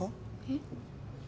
えっ？